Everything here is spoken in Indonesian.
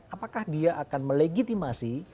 apakah dia akan melegitimasi